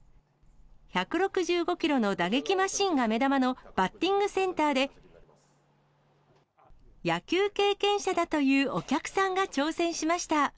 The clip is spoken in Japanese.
１６５キロの打撃マシンが目玉のバッティングセンターで、野球経験者だというお客さんが挑戦しました。